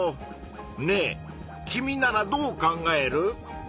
ねえ君ならどう考える？